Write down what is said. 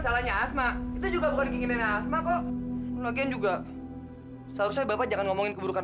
salahnya asma itu juga bukan keinginan asma kok makin juga seharusnya bapak jangan ngomongin keburukan